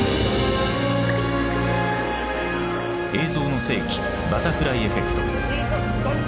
「映像の世紀バタフライエフェクト」。